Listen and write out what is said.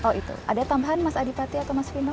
oh itu ada tambahan mas adipati atau mas vino